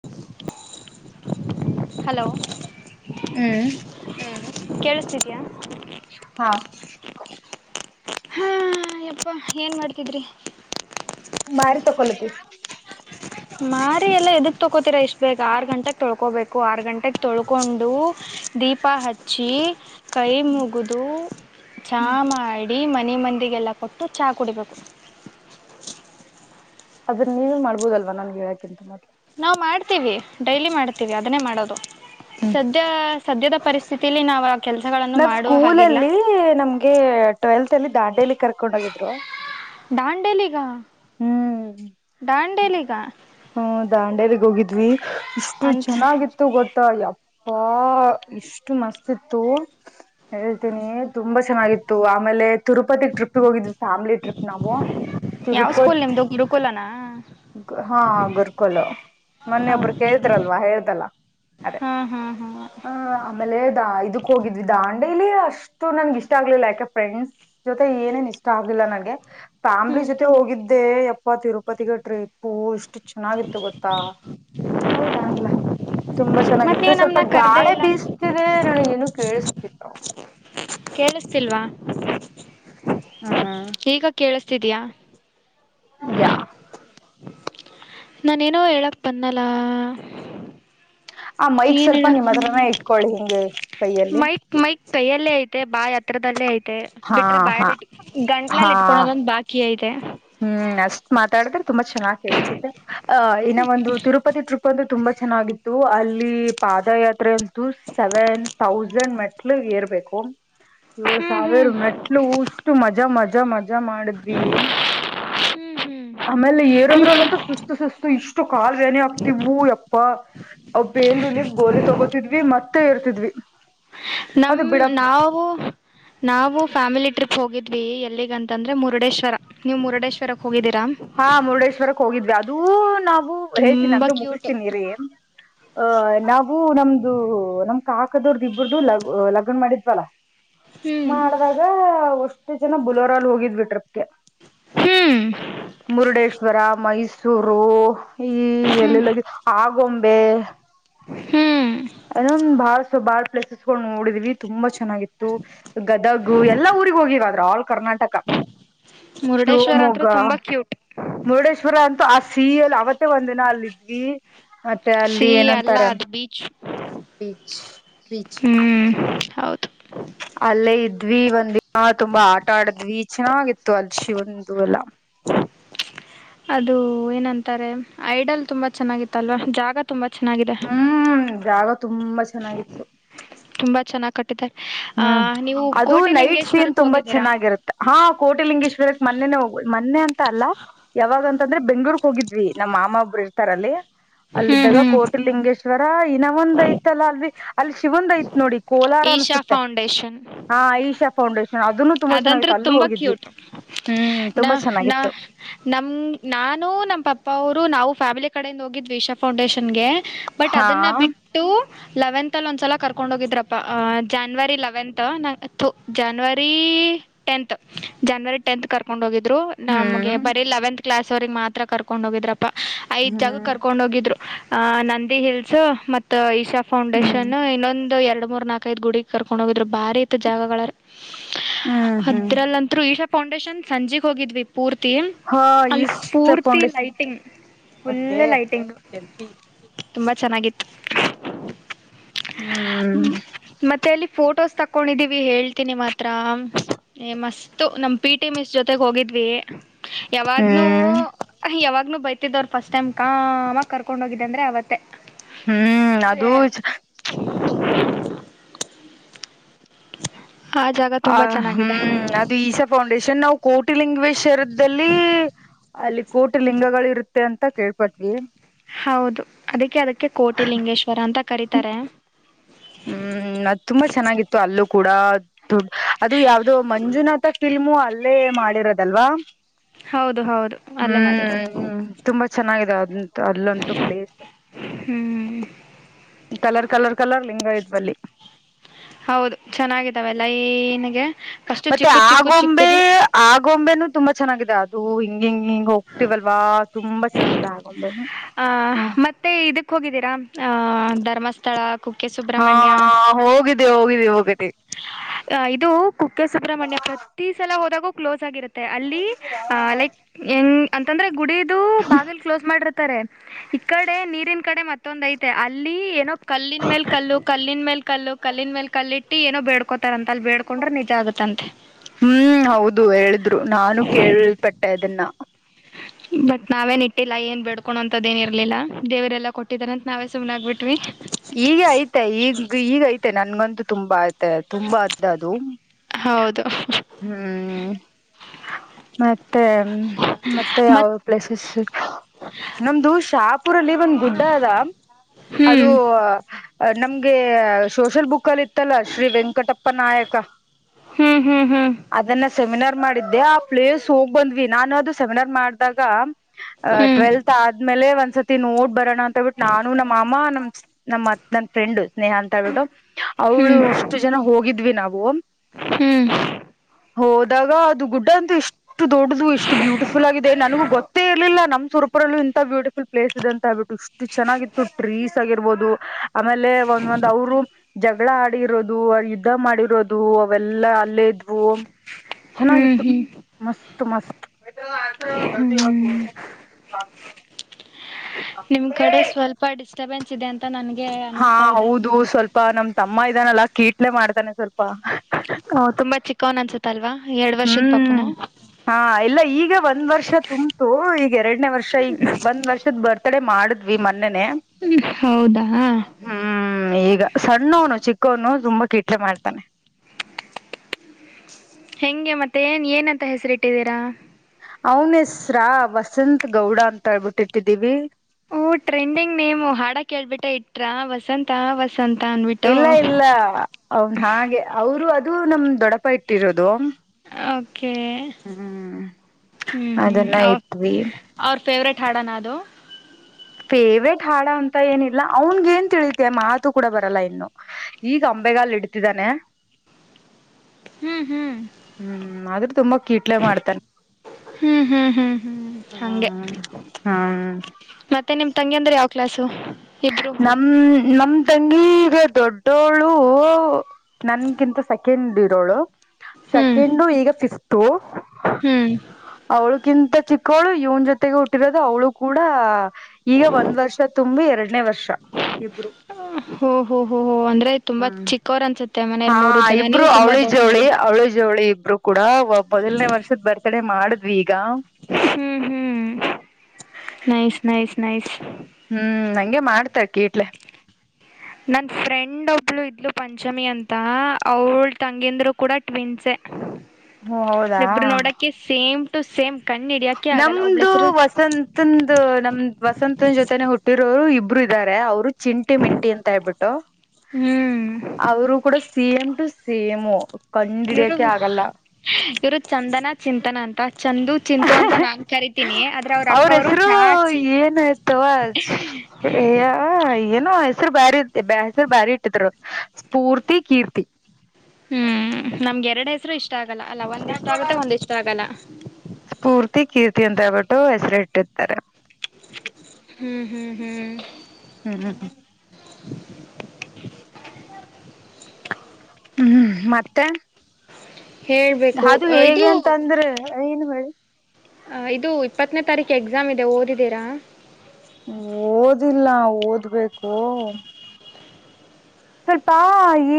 [inaudible] Hello ಹ್ಮ್ [inaudible] ಹಾ ಹಾ ಯಪ್ಪಾ ಏನ್ ಮಾಡ್ತಿದ್ರಿ ಮಾರಿ ತಕೊೊಳ್ಳತಿ ಮಾರಿ ಎಲ್ಲ ಇದಕ್ ತಕೋತೀರ ಇಷ್ಟ ಬೇಕ್ ಆರ್ ಗಂಟಕ್ ತೊಳ್ಕೋಬೇಕು ಆರ್ ಗಂಟಗ್ ತೊಳ್ಕೊಂಡು ದೀಪ ಹಚ್ಚಿ ಕೈ ಮುಗಿದ ಚಾ ಮಾಡಿ ಮನೆ ಮಂದಿಗೆಲ್ಲ ಕೊಟ್ಟು ಚಾ ಕುಡಿಬೇಕು ಹದ ಅದನ್ನ ನೀವೇ ಮಾಡ್ಬೋದಲ್ವಾ ನನ್ಗೆ ಹೇಳಕೆಂತ ಮತ್ ನಾವು ಮಾಡ್ತೀವಿ ಡೈಲಿ ಮಾಡ್ತೀವಿ ಅದನ್ನೇ ಮಾಡೋದು ಹ್ಮ್ ಸದ್ಯ ಸದ್ಯದ ಪರಿಸ್ಥಿತಿಲಿ ನಾವವು ಆ ಕೆಲ್ಸಗಳನ್ನು ನಾವ್ ಮಾಡುವ ಸ್ಕೂಲ ಹಲ್ಲ ಅಲ್ಲಿ ನಮ್ಗೆ ಟ್ವೆಲ್ತ್ ಅಲ್ಲಿ ದಾಂಡೇಲಿ ಕರ್ಕೊಂಡ್ ಹೋಗಿದ್ರು. ದಾಂಡೇಲಿಗ ಹ್ಮ್ ದಾಂಡೇಲಿಗ ಹ್ಮ ದಾಂಡೇಗ್ ಹೋಗಿದ್ವಿ ಇಷ್ಟು ಅಂತ ಚೆನ್ನಾಗಿತ್ತು ಗೊತ್ತ ತ್ತ ಅಪ್ಪಾ ಇಷ್ಟು ಮಸ್ತ್ ಇತ್ತು ಹೇಳ್ತೀನಿ. ತುಂಬಾ ಚೆನ್ನಾಗಿತ್ತು ಆಮೇಲೆ ತಿರುಪತಿ ಟ್ರಿಪ್ ಹೋಗಿದ್ವಿ ಫ್ಯಾಮಿಲಿ ಟ್ರಿಪ್ಗೆ ನಾವು. ಕೂಲ್ ತಿರುಪತಿ ನಿಮ್ದು ಗುರುಕುಲನ ಹಾ ಗುರ್ಕಲ್ ಮೊನ್ನೆೊಬ್ಬರು ಓಕೆ ಕೇಳಿದ್ರಲ್ವಾ ಹೇಳ್ದಲ್ಲ. ಅದೇ ಹಾ ಹಾ ಹಾ ಹ ಆಮೇಲೆ ದ ಇದಕ್ ಹೋಗಿದ್ವಿ ದಾ ದಂಡೇಲಿ ಅಷ್ಟು ನನ್ಗ ಇಷ್ಟ ಆಗ್ಲಿಲ್ಲ ಯಾಕೆ ಫ್ರೆಂಡ್ಸ್ ಜೊತೆ ಏನೆನ್ ಇಷ್ಟ ಆಗ್ಲಿಲ್ಲ ನನ್ಗೆ. ಫ್ಯಾಮ್ಲಿ ಹ್ಮ್ ಜೊತೆ ಹೋಗಿದ್ದೆ ಯಪ್ಪ ತಿರುಪತಿಗೆ ಟ್ರಿಪ್ಪು ಇಷ್ಟು. ಚೆನ್ನಾಗಿತ್ತು ಗೊತ್ತಾ ಅಂದ್ಲ. ಹೌದಾ ತುಂಬಾ ಮತ್ತ ಚೆನ್ನಾಗಿತ್ತು ನೀವು ಸ್ವಲ್ಪ ನಮ್ನ ಕರ್ದೇ ಗಾಳೆ ಇಲ್ಲ ಬೀಸ್ತಿದೆ ನನಗೇನು ಕೇೇಳಸ್ತಿಲ್ಲ. ಕೇಳಿಸತಿಲ್ವಾ ಹ್ಮ್ ಈಗ ಕೇಳಿಸ್ತಿದ್ಯ. ಯಾ ನಾನೇ ಏನೋ ಹೇಳಕ್ ಬನ್ನಲ್ಲ. ಆ ಮೈಕ್ ಸ್ವಲ್ಪ ನಿಮ್ಮ ಹತ್ರಾನೇ ಇಟ್ಕೊಳಿ ಹಿಂಗೆ. ಕೈಯಲ್ಲಿ ಮೈಕ್ ಮೈಕ್ ಕೈಯಲ್ಲೇ ಐತೆ ಬಾಯ್ ಹತ್ರದಲ್ಲೇ ಐತೆ. ಮತ್ತೆ ಹಾ ಬಿಟ್ರೆ ಹಾ ಬಾಯಲ್ ಇಟ್ಟ ಗಂಟ್ಲಲ್ಲಿ ಹಾ ಇಟ್ಕಳೋದೊಂದ್ ಬಾಕಿ ಐತೆ. ಹ್ಮ್ ಅಷ್ಟ್ ಮಾತಾಡಿದ್ರೆ ತುಂಬಾ ಚೆನ್ನಾಗ್ ಕೇಳ್ಸುತ್ತೆ ಆ ಇನ್ನ ಒಂದು ತಿರುಪತಿ ಟ್ರಿಪ್ ಅ ತುಂಬಾ ಚೆನ್ನಾಗಿತ್ತು ಅಲ್ಲಿ ಪಾದಯಾತ್ರೆ ಅಂತೂ ಸೆವೆನ್ ತೌಸಂಡ್ ಮೆಟ್ಲು ಎ ಇರ್ಬೇಕು ಏಳ್ ಹ್ಮ್ ಸಾವಿರ ಹ್ಮ್ ಮೆಟ್ಲುಷ್ಟು ಮಜಾ ಮಜಾ ಮಜಾ ಮಾಡಿದ್ವಿ. ಹ್ಮ್ ಹ್ಮ್ [inaudible] ಆಮೇಲೆ ಏರೋದ್ರಲ್ಲಂತೂ ಸುಸ್ತು ಸುಸ್ತು ಇಷ್ಟು ಕಾಲ್ ವ್ಯನಿ ಆಗ್ತಿವ್ವು ಯಪ್ಪ. ಬೇನ್ರುಲಿ ಗೋಲಿ ತೊಗೋತಿದ್ವಿ ಮತ್ತೆ ಇರ್ತಿದ್ವಿ. ನಮ್ ನಾವು ನಾವು. ಫ್ಯಾಮಿಲಿ ಟ್ರಿಪ್ ಹೋಗಿದ್ವಿ ಎಲ್ಲಿಗಂತಂದ್ರೆ ಮುರುಡೇಶ್ವರ ನೀವು ಮುರುಡೇಶ್ವರ. ಹಾ ಮುರುಡೇಶ್ವರಕ್ ಹೋಗಿದ್ವಿ ಅದೂ ನಾವು ಹೇಳ್ತೀನಿ ತುಂಬಾ ನಂಮ್ದು ಕ್ಯೂಟ್ ಮುಗಿಸ್ತೀನ್ ಇರಿ. ಅಹ ನಾವು ನಮ್ದು ನಮ್ ಕಾಕದವ್ರ್ದ ಇಬ್ಬ್ರ್ದು ಲಗ್ ಲಗ್ನ್ ಮಾಡಿದ್ವಲ್ಲ. ಹ್ಮ್ ಮಾಡಿದಾಗ ಒಷ್ಟು ಜನ ಬುಲೋರಲ್ ಹೋಗಿದ್ವಿ ಟ್ರಿಪ್ಗೆ. ಹ್ಮ್ ಮುರುಡೇಶ್ವರ ಮೈಸೂರು ಈ ಎಲ್ ಹ್ಮ್ ಎಲ್ ಗೊಂಬೆ ಹ್ಮ್ ಏನ ಭಾರ ಸೊ ಬಾರ ಪ್ಲೇಸಸ್ ಗಳು ನೋಡಿದ್ವಿ ತುಂಬಾ ಚೆನ್ನಾಗಿತ್ತು ಗದಗ ಎಲ್ಲ ಊರಿಗೆ ಹೋಗವ ಆದ್ರ ಆ ಕರ್ನಾಟಕ ಮುರುಡೇಶ್ವರ ಅಂತ್ರು ಶಿವಮೊಗ್ಗ ತುಂಬಾ ಕ್ಯೂಟ್ ಮುರುಡೇಶ್ವರ ಅಂತ ಆ ಸಿ ಎಲ್ ಅವತ್ತೇ ಒಂದಿನ ಅಲ್ಲ ಇದ್ವಿ ಮತ್ತೆ ಸಿ ಅಲ್ಲಿ ಅಲ್ಲ ಏನಂತಾರೆ. ಅದು ಬೀಚ್ ರಚ್ ರೀಚ್ ಹ್ಮ್ ಹೌದು ಅಲ್ಲೇ ಇದ್ವಿ ಒಂದಿನ ತುಂಬಾ ಆಟ ಆಡಿದ್ವಿ ಚೆನ್ನಾಗಿತ್ತು ಅಲ್ಶಿ ಒಂದು ಎಲ್ಲ. ಅದು ಏನಂತಾರೆ ಐಡಲ್ ತುಂಬಾ ಚೆನ್ನಾಗಿತ್ತ ಅಲ್ವಾ ಜಾಗ. ತುಂಬಾ ಚೆನ್ನಾಗಿದೆ ಹ್ಮ್ ಜಾಗ ತುಂಬಾ ಚೆನ್ನಾಗಿತ್ತು. ತುಂಬಾ ಚೆನ್ನಾಗ್ ಕಟ್ಟಿದ್ದಾರೆ ಆ ಹ್ಮ್ ನೀವು ಅದು ನೈಟ್ ಸೀನ್ ಕೋಟೆಲಿಂಗೇಶ್ವರಕ್ ತುಂಬಾ ಹೋಗಿದ್ದೀರಾ ಚೆನ್ನಾಗಿರುತ್ತೆ. ಹಾ ಕೋಟೆಲಿಂಗೇಶ್ವರಕ್ ಮೊನ್ನೆನೆ ಹೋಗ್ಬುದು. ಮೊನ್ನೆ ಅಂತ ಅಲ್ಲ ಯಾವಾಗ ಅಂತಂದ್ರೆ ಬೆಂಗ್ಳೂಕ್ ಹೋಗಿದ್ವಿ ನಮ್ಮ ಮಾಮ ಒಬ್ಬರು ಇರ್ತಾರ ಅಲ್ಲಿ. ಹ್ಮ್ ಅಲ್ಲಿದ್ದಾಗ ಹ್ಮ್ ಕೋಟಿಲಿಂಗೇಶ್ವರ ಇನ ಒಂದ್ ಐತಲ್ಲ ಅಲ್ ಅಲ್ಲಿ ಶಿವಂದ್ ಐತ್ ನೋಡಿ ಕೋಲ್. ಈಶಾ [unintelligible] ಫೌಂಡೇಶನ್. ಈಶ ಫೌಂಡೇಶನ್. ಅದನ್ನು ತುಂಬಾ ಅದಂತದ ಚೆನ್ನಾಗಿತ್ತು ಅಲ್ಲೂ ತುಂಬಾ ಹೋಗಿದ್ವಿ ಕ್ಯೂಟ್ ಹ್ಮ್ ನ ತುಂಬಾ ನ ಚೆನ್ನಾಗಿತ್ತು ನಮ್ ನಾ. ನಾನು ನಮ್ಮ ಪಪ್ಪ. ನಾವು ಫ್ಯಾಮಿಲಿ ಕಡಿಂದ ಹೋಗಿದ್ವಿ ವಿಶಾ ಫೌಂಡೇಶನ್ ಗೆ ಬಟ್ ಹಾ ಅದನ್ನ ಬಿಟ್ಟು. ಲೆವೆಂತ್ ಅಲ್ಲಿ ಒಂದ್ಸಲ ಕರ್ಕೊಂಡ್ ಹೋಗಿದ್ರಪ್ಪ ಜಾನ್ವರಿ ಲೆವೆಂತ್ ನ ಜನ್ವರಿ. ಟಂತ್ ಜನ್ವರಿ ಟೆಂತ್ ಕರ್ಕೊಂಡ್ ಹೋಗಿದ್ರು ನಮ್ಗೆ ಹ್ಮ್ ಬರೀ ಲೆವೆಂತ್. ಕ್ಲಾಸ್ ಅವರೆಗ್ ಮಾತ್ರ ಕರ್ಕೊಂಡ್ ಹೋಗಿದ್ರಪ್ಪಾ ಐದ್ ಜಾಗ ಹ್ಮ್ ಕರ್ಕೊಂಡ್ ಹೋಗಿದ್ರು. ಅ ನಂದಿ ಹಿಲ್ಸ್ ಮತ್ತ ಇಶಾ ಹ್ಮ್ ಫೌಂಡೇಶನ್ ಇನ್ನೊಂದು ಎರಡು. ಮೂರ್ ನಾಲ್ಕೈದು ಗುಡ ಕರ್ಕೊಂಡ್ ಹೋಗಿದ್ರು ಬಾರಿ ತ ಜಾಗಗಳಾರ ಹ್ಮ್ ಹ್ಮ್ ಅದ್ರಲ್ಲಂತರು ಈ. ಫೌಂಡೇಶನ್ ಸಂಜೆಗ್ ಹೋಗಿದ್ವಿ ಪೂರ್ತಿ ಹಾ ಅಲ್ಲಿ ಈಸ್ಟ್ ಪೂರ್ತಿ ಫೌಂಡೇಶನ್ ಲೈಟಿಂಗ್. ಫುಲ್ ಬಗ್ಗೆ ಲೈಟಿಂಗ್ ಕೆಂಪಿ ತುಂಬಾ ಚೆನ್ನಾಗಿತ್ತು. ಹ್ಮ್. ಮತ್ತೆ ಅಲ್ಲಿ ಫೋಟೋಸ್ ತಕೊಂಡಿದ್ದೀವಿ ಹೇಳ್. ನಿಮ್ಮ ಮಾತ್ರ ನೀ ಮಸ್ತು ನಮ್ ಪಿ ಟಿ ಮಿಸ್ ಜೊತೆಗೆ ಹೋಗಿದ್ವಿ. ಯಾವಾಗ್ನು ಹ್ಮ್ ಯಾವಾಗ್ನು. ಬೈತಿದ್ದವರು ಫಸ್ಟ್ ಟೈಮ್ ಕಾಮ ಕರ್ಕೊಂಡ್ ಹೋಗಿದ್ದಂದ್ರೆ ಅವತ್ತೇ. ಹ್ಮ್ ಅದು. [unintelligible] ಆ ಜಾಗ ಆ ತುಂಬಾ ಚೆನ್ನಾಗಿದೆ ಹ್ಮ್ ಅದು ಈಸಾ ಫೌಂಡೇಶನ್ ನಾವು ಕೋಟಿ ಲಲಿಂಗವೇಶ್ವರದಲ್ಲಿ. ಅಲ್ಲಿ ಕೋಟಿ ಲಿಂಗಗಳ ಇರುತ್ತೆ ಅಂತ ಕೇಳ್ಪಟ್ವಿ. ಹೌದು ಅದಕ್ಕೆ ಅದಕ್ಕೆ ಕೋಟಿ ಲಿಂಗೇಶ್ವರ ಅಂತ ಕರತಾರೆ. ಹ್ಮ್ ಅದ್ ತುಂಬಾ ಚೆನ್ನಾಗಿತ್ತು ಅಲ್ಲೂ ಕೂಡ ದು ಅದು ಯಾವ್ದೋ ಮಂಜುನಾಥ. ಫಿಲ್ಮು ಅಲ್ಲೇ ಮಾಡಿರೋದಲ್ವಾ. ಹೌದು ಹೌದು ಅಲ್ಲೇ ಮಾಡಿರೋದು. ಅಲ್ಲೊಂತು ಪ್ಲೇಸ್ ಹ್ಮ್ ಕಲರ್ ಕಲರ್ ಕಲರ್. ಲಿಂಗ ಇದ್ವಲ್ಲಿ. ಹೌದು ಚೆನ್ನಾಗಿದ್ದಾವೆಲ್ಲ ಈನಗೆ. ಮತ್ತೆ ಆಗೊಂಬೆ ಆಗೊಂಬೆನು ತುಂಬಾ ಚೆನ್ನಾಗಿದೆ ಅದು ಹ. ಹಿಂಗ ಹಿಂಗ್ ಹೋಗ್ತಿವಲ್ವಾ ತುಂಬಾ ಚೆನ್ನಾಗಿದೆ ಆಗೊಂಬೆ. ಆ ಮತ್ತೆ ಇದಕ್ ಹೋಗಿದ್ದೀರಾ ಆಹ ಧರ್ಮಸ್ಥಳ. ಕುಕ್ಕೆ ಹಾ ಸುಬ್ರಹ್ಮಣ್ಯ ಹೋಗಿದ್ದಿ ಹೋಗಿದ್ದಿ ಹೋಗಬೇಕ. ಅ ಇದು ಕುಕ್ಕೆ ಸುಬ್ರಹ್ಮಣ್ಯ ಪ್ರತಿ ಸಲ ಹೋದಾಗೂ ಕ್ಲೋಸ್ ಆಗಿರುತ್ತೆ. ಮತ್ತ ಅಲ್ಲಿ ಲೈಕ್ ಹೆಂಗ. ಅಂತಂದ್ರೆ ಗುಡಿದು ಬಾಗಿಲ್ ಕ್ಲೋಸ್ ಮಾಡಿರ್ತಾರೆ ಈ ಕಡೆ ನೀರಿನ್ ಕಡೆ ಮತ್ತೊಂದ ಐತೆ ಅಲ್ಲಿ. ಏನೋ ಕಲ್ಲಿನ್ ಮೇಲ್ ಕಲ್ಲು ಕಲ್ಲಿನ್ ಮೇಲ್ ಕಲ್ಲು ಕಲ್ಲಿನ್ ಮೇಲ್ ಕಲ್ಲಿಟ್ಟು ಏನೋ ಬೇಡ್ಕೋತಾರಂತ. ಅಲ್ಲಿ ಬೇಡ್ಕೊಂಡ್ರೆ ನಿಜ ಆಗುತ್ತಂತೆ ಹ್ಮ್ ಹೌದು ಹೇಳಿದ್ರು ನಾನು ಕೇಲ್ಪಟ್ಟೆ ಇದನ್ನ. ಬಟ್ ನಾವೇನ್ ಇಟ್ಟಿಲ್ಲ ಏನ್ ಬೆಡ್ಕೊ ಅಂತದ ಏನ್ ಇರ್ಲಿಲ್ಲ ದೇವ್ರರೆಲ್ಲಾ ಕೊಟ್ಟಿದಾರಂತ ನಾವೇ ಸುಮನೆನಾಗಗ್ಬಿಟ್ವಿ. ಈಗ ಐ್ತೆ ಈಗ ಈಗಐತೆ ನನ್ಗಂತೂ ತುಂಬಾ ಆಐ್ತೆ ತುಂಬಾ ಅ ಅದು. ಹೌದು. ಹ ಮತ್ತೆ ಮತ್ತೆ ಯಾವ ಮತ್ ಪ್ಲೇಸಸ್ ನಮ್ದು ಶಾಪ್. ಒಂದ ಗುಡ್ಡ ಅದ ಅದು. ಹ್ಮ್ ನಮ್ಗೆ ಸೋಷಲ್ ಬುಕ್ಲ್ಲಿ ಇತ್ತಲ್ಲಾ ಶ್ರೀ ವೆಂಕಟಪ್ಪ ನಾಯಕ ಹ್ಮ್ ಹ್ಮ್ ಹ್ಮ್ ಅದನ್ನ ಸೆಮಿನಾರ್ ಮಾಡಿದ್ದೆ ಆ ಪ್ಲೇಸ್ ಹೋಗ್ ಬಂದ್ವಿ ನಾನು ಅದು ಸೆಮಿನಾರ್ ಮಾಡಿದಾಗ ಅಹ ಹ್ಮ್ ಟ್ವೆಲ್ತ್ ಆದ್ಮೇಲೆ ಒಂದ್ಸತಿ ನೋಡ್ ಬರೋಣ ಅಂತೇಳ್ಬಿಟ್ಟು ನಾನು ನಮ್ಮ ಅಮ್ಮ ನಮ್ ನಮ್ಮತ್ ನನ್ ಫ್ರೆಂಡ್ ಸ್ನೇಹಾ ಅಂತ ಹೇಳ್ಬಿಟ್ಟು ಅವ್ಳು ಹ್ಮ್ ಅಷ್ಟು ಜನ ಹೋಗಿದ್ವಿ ನಾವು ಹ್ಮ್ ಹೋದಾಗ ಅದು ಗುಡ್ಡ ಅಂತೂ ಇಷ್ಟು ದೊಡ್ಡದು ಇಷ್ಟು ಬ್ಯೂಟಿಫುಲ್ ಆಗಿದೆ ನನಗೂ ಗೊತ್ತೇ ಇರ್ಲಿಲ್ಲ ನಮ್ ಸುರ್ ಇುರಲ್ಲ ಇಂತ್ಯಟಿಫುಲ್ ಪ್ಲೇಸ್ ಅ ಹೇಳ್ಬಿಟ್ಟು ಇಷ್ಟ ಚೆನ್ನಾಗಿತ್ತು ಟ್ರೀಸ್ ಆಗಿರ್ಬೋದು ಆಮೇಲೆ ಒಂದ ಒಂದ್ ಅವರು ಜಗಳ ಆಡಿರೋದು ಯುದ್ಧ ಮಾಡಿರೋದು ಅವೆಲ್ಲಾ ಅಲ್ಲೇ ಇದ್ವು ಹ್ಮ್ ಚೆನ್ನಾಗಿತ್ತು ಹ್ಮ್ ಮಸ್ತ್ ಮಸ್ತ್ ಮ ಆ ಜಿ ಹೊ ನಿಮ್ ಕಡೆ ಸ್ವಲ್ಪ ಡಿಸ್ಟರ್ಬೆನ್ಸ್ ಇದೆ ಅಂತ ನನ್ ಹಾ ಹೌದು ಸ್ವಲ್ಪ ನಮ್ ತಮ್ಮ ಇದಾನಲ್ಲಾ ಕೀಟ್ಲೆ ಮಾಡ್ತಾನೆ ಸ್ವಲ್ಪ ಕನ್ ಅನ್ಸತ್ತ ಅಲ್ವಾ ಎರಡ್ ವರ್ಷದ ಪಾಪುನು ಹ್ಮ್ ಹಾ ಎಲ್ಲ ಈಗ ಒಂದ್ ವರ್ಷ ತುಂಬತು ಈಗ ಎರಡನೇ ವರ್ಷ ಈಗ ಒಂದ್ ವರ್ಷದ ಬರ್ತಡೆ ಮಾಡ ಮಾಡ್ವಿ ಮೊನ್ನ ಹೌದಾ ಹ್ಮ ಈಗ ಸಣ್ಣವನು ಚಿಕ್ಕವನು ತುಂಬಾ ಕಿಟ್ಲೆ ಮಾಡ್ತಾನೆ ಹೆಂಗೆ ಮತ್ತೆನ್ ಏನಂತ ಹೆಸರಿ ಇಟ್ಟಿದ್ದೀರಾ ಅವನ್ ಹೆಸ್ರಾ ವಸತ್ ಗೌಡ ಅಂತ ಹೇಳ್ಬಿಟ್ಟಿಟ್ಟಿದ್ದೀವಿ ಹ ಟ್ರೆಂಡಿಂಗ್ ನೀೇವು್ ಹಾಡ ಕೇಳ್ಬಿಟ್ಟ ಇಟ್ರ ವಸಂತ ವಸಂತ ಅನ್ಬಿಟ್ಟು. ಇಲ್ಲ ಇಲ್ಲ ಅವನ್ ಹಾಗೆ ಅವರು ಅದು ನಮ ದೊಡಪ ಇಟ್ಟಿರೋದು ಹ್ಮ್ ಹ್ಮ್ ಹ್ಮ್ ಅದನ್ನ ಇಟ್ವಿ ಅವ ಫೇವ್ರೇಟ್ ಹಾಡ ನದು ಫೇವ್ರೇಟ್ ಹಾಡ ಅಂತ ಏನಿಲ್ಲ ಅವನ್ಗ ಏನ್ ತಿಳಿತ ಮಾತು ಕೂಡ ಬರಲ್ಲ ಇನ್ನು ಈಗ ಅಂಬೆ ಅಂಬೆ ಗಾಲು ಇಡ್ತಿದ್ದಾನೆ ಹ್ಮ್ ಹ್ಮ್ ಹ್ಮ್ ಆದ್ರೂ ತುಂಬಾ ಕೀಟ್ಲೆ ಮಾಡ್ತಾನೆ ಹ್ಮ್ ಹ್ಮ್ ಹ್ಮ್ ಹ್ಮ್ ಹಂಗೆ ಹ್ಮ ಹ್ಮ ಮತ್ತೆ ನಿಮ್ ತಂಗಿ ಅಂದ್ರ ಯಾವ ಕ್ಲಾಾಸು ನಮ ನಮ ತಂಗಿ ಈಗ ದೊಡ್ಡೋಳು ನನ್ಗಿಂತ ಸೆಕೆಂಡ್ ಇರೋಳು ಹ್ಮ್ ಸೆಕೆಂಡು ಈಗ ಫಿಫ್ತು ಹ್ಮ್ ಕ್ಕಿಂತ ಚಿಕ್ಕವಳು ಇವ್ನ ಜೊತೆಗೆ ಹುಟ್ಟಿರೋದು ಅವಳು ಕೂಡ ಈಗ ಒಂದ್ ವರ್ಷ ತುಂಬಿ ಎರಡನೇ ವರ್ಷ ಷ ಇಬ್ರು ಹ ಹ ಹ್ಮ್ ಹಾ ಜನ ಇಬ್ರು ನೀವು ತುಂಬಾ ಅವಳಿ ಜೋಳಿ ದೊಡ್ಡವರು ಅವಳಿ ಜೋಳಿ ಇಬ್ರು ಕೂಡ ಮೊದಲನೇ ವರ್ಷದ ಬರ್ತಡೆ ಮಾಡಿದ್ವಿ ಈಗ ಹ್ಮ್ ಹ್ಮ್ ನೈಸ್ ನೈಸ್ ನೈಸ್ ಹ್ಮ್ ಹಂಗೆ ಮಾಡ್ತಾರೆ ಕೀಟ್ಲೆ ನನ್ನ ಫ್ರೆಂಡ ಒಬ್ಳು ಇದ್ಲು ಪಂಚಮಿ ಅಂತ ಅವಳ ತಂಗಂದ್ರರು ಕೂಡ ಟ್ವಿನ್ಸೆ ಓ ಹೌದಾ ಬ್ರು ನೋಡಕ ಸೇಮ್ ಟು ಸೇಮ್ ಕಣ್ ಹಿಡಿಯಕೆ ಆಗಲ್ಲ ಒಬ್ಳ ನಮ್ದು ಹೆಸರು ವಸಂತಂದ ನಮ್ದ್ ವಸಂತನ್ ಜೊತೆನೆ ಹುಟ್ಟಿರೋರು ಇಬ್ ಒಬ್ರು ಇದ್ದಾರೆ ಅವರು ಚಿಂಟಿ ಮಿಂಟಿ ಅಂತ ಹೇಳ್ಬಿಟ್ಟು ಹ್ಮ್ ಅವರು ಕೂಡ ಸಿಎಂ ಟು ಸಿೇಎಮು ಇವರು ಇವ್ರು ಚಂದನ ಚಿಂತನ ಅಂತ ಚೆಂದ ಚಿಂತು ಅಂತ ನಾ ಕರಿತೀನಿ ಆದ್ರೆ ಅವ್ರ ಅಕ್ಕ ಅವರು ಚಾಚಿ ಎಯ ಇೇ ನ ಹೆಸರು ಬಾರಿ ಇತ್ತ ಹೆಸರು ಬಾರಿ ಇಟ್ಟಿದರು ಸ್ಫೂರ್ತಿ ಕೀರ್ತಿ ಹ್ಮ್ ನಮ್ಗೆ ಎರಡ್ ಹೆಸರು ಇಷ್ಟ ಇಷ್ಟ ಆಗಲ್ಲ ಅಲ್ಲ ಒಂದ್ ಇಷ್ಟ ಆಗತ್ತೆ ಒಂದ್ ಇಷ್ಟ ಆಗಲ್ಲ ದಯವಿಟ್ಟು ಹೆಸರು ಇಟ್ಟಿರ್ತಾರೆ [inaudible] ಹ್ಮ್ ಹ್ಮ್ ಹ್ಮ್ ಹ್ಮ್ ಹ್ಮ [inaudible] ಹ್ಮ್ ಮತ್ತೆ ಹೇಳ್ಬೇಕು ಅದು ಇದು ಹೇಗೆ ಅಂತ ಅಂದ್ರೆ ಏನ್ ಮಾಡಿ ಅ ಇದು ಇಪ್ಪತ್ತನೇ ತಾರೀಕು ಎಕ್ಸಾಮ್ ಇದೆ ಓದಿದ್ದೀರಾ ಓದಿಲ್ಲ ಓದ್ಬೇಕು ಸ್ವಲ್ಪ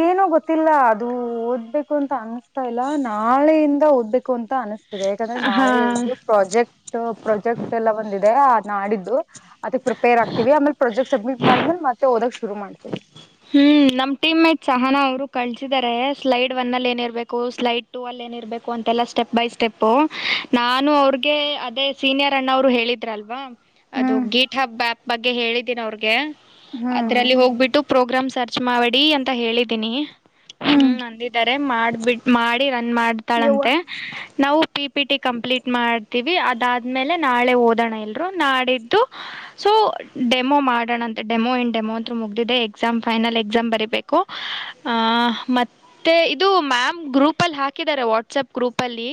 ಏನೂ ಗೊತ್ತಿಲ್ಲ ಅದು ಓದ್ಬೇಕು ಅಂತ ಅನ್ಸ್ತಾ ಇಲ್ಲ ನಾಳೆಯಿಂದ ಓದ್ಬೇಕು ಅಂತ ಅನಿಸ್ತದೆ ಯಾಕಂದ್ರೆ ನಾಳೆ ಹಾ ಇಡು ಪ್ರಾಜೆಕ್ಟ್ ಪ್ರಾಜೆಕ್ಟ್ ಎಲ್ಲ ಒಂದಿದೆ ನಾಡಿದ್ದು ಅದಕ್ ಪ್ರಿಪೇರ್ ಆಗ್ತಿೀವಿ ಆಮೇಲೆ ಪ್ರೊಜೆಕ್ಟ್ ಸಬ್ಮಿಟ್ ಮಾಡಿದ್ಮೇಲೆ ಮತ್ತೆ ಹಓದಾಗಕ್ ಶುರು ಮಾಡ್ತೀವಿ ಹ್ಮ್ ನಮ್ ಟೀಮ್ ಮೇಟ್ ಚಹಾನ ಅವ್ರು ಕಳಸಿದ್ದಾರೆ ಸ್ಲೈಡ್ ಒನ್ ಅಲ್ಲಿ ಏನಿರ್ಬೇಕು ಸ್ಲೈಡ್ ಟೂ ಅಲ್ಲಿ ಏನಿರ್ಬೇಕು ಅಂತೆಲ್ಲಾ ಸ್ಟೆಪ್ ಬೈ ಸ್ಟೆಪ್ ನಾನು ಅವ್ರಗೆ ಅದೇ ಸೀನಿಯರ್ ಅಣ್ಣ ಅವ್ರು ಹೇಳಿದ್ರ ಅಲ್ವಾ. ಅದು ಹ್ಮ್ ಗೀಟ್ ಹಬ್ಬಪ್ ಬಗ್ಗೆ ಹೇಳಿದೀನಿ ಅವ್ರಗೆ ಹ್ಮ್ ಅದ್ರಲ್ಲಿ ಹೋಗ್ಬಿಟ್ಟು ಪ್ರೋಗ್ರಾಮ್ ಸರ್ಚ್ ಮಾಡಿಡಿ ಅಂತ ಹೇಳಿದೀನಿ ಹ್ಮ್ ಅಂದಿದ್ದಾರೆ ಮಾಡಬಿಟ್ ಮಾಡಿ ರನ್ ಯವ್ವ ಮಾಡ್ತಾಳಂತೆ ನಾವು ಪಿ ಪಿ ಟಿ ಕಂಪ್ಲೀಟ್ ಮಾಡ್ತೀವಿ ಅದಾದಮೇಲೆ ನಾಳೆ ಓದೋಣ ಇಲ್ರು ನಾಡಿದ್ದು ಸೊ ಡೆಮೋ ಮಾಡೋಣ ಅಂತ ಡೆಮೋ ಇನ್ ಡೆಮೋ ಅಂತೂ ಮುಗ್ದಿದೆ ಎಸಾಮ್ ಫೈನಲ್ ಎಕ್ಸಾಮ್ ಬರೀಬೇಕು ಆ ಮತ್ತೆ ಇದು ಮ್ಯಾಮ್ ಗ್ರೂಪ್ ಅಲ್ಲಿ ಹಾಕಿ ಹ ವಾಟ್ಸ್ಪ್ ಗ್ರೂಪ್ ಅಲ್ಲಿ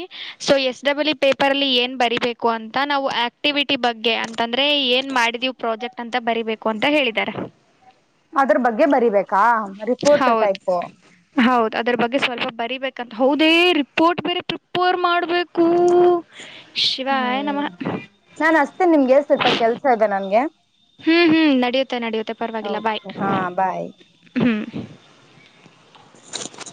ಸೊ ಎಸ್ ಡಬ್ಲ್ ಪೇಪರ್ ಅಲ್ಲಿ ಏನ್ ಬರಿೀಬೇಕು ಅಂತ ನಾವು ಆಕ್ಟಿವಿ ಟಿ ಬಗ್ಗೆ ಅಂತಂದ್ರೆ ಏನ್ ಮಾಡಿದೀವ ಪ್ರಾಜೆಕ್ಟ್ ಅಂತ ಬರಿಬೇಕು ಅಂತ ಹೇಳಿದಿದ್ದಾರೆ ಅದ್ರ ಬಗ್ಗೆ ಬರಿಬೇಕಾ ರಿಪೋರ್ಟ್ ಹೌದು ಟೈಪ್ ಹೌದು ಅದ್ರ ಬಗ್ಗೆ ಸ್ವಲ್ಪ ಬರಿಬೇಕಂತ ಹೌದೇ ರಿಪೋರ್ಟ್ ಬೇರೆ ಪ್ರಿಪೇರ್ ಮಾಡ್ಬೇಕು ಹ್ಮ್ ನಾ ಅಸ್ತೇನೆ ನಿಮ್ಗೆ ಸ್ವಲ್ಪ ಕೆಲ್ಸ ಇದೆ ನನ್ಗೆ ಹ್ಮ್ ಹ್ಮ್ ನಡೆಯುತ್ತೆ ನಡೆಯುತ್ತೆ ಪರವಾಗಿಲ್ಲ ಬಾಯ್ ಓಕೆ ಹಾ ಬಾಯ್ ಹ್ಮ [inaudible]